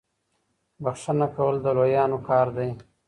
بخښنه کول د لويانو کار دی.